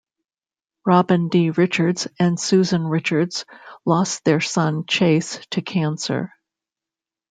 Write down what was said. Robin D. Richards and Susan Richards lost their son Chase to cancer.